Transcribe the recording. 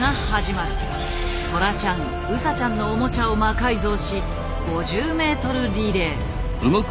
トラちゃんウサちゃんのオモチャを魔改造し５０ｍリレー。